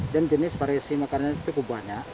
dan jenis variasi makannya cukup banyak